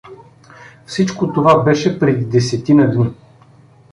Всичко това беше преди десетина дни.